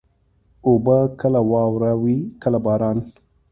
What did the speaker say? اوبه کله واوره وي، کله باران.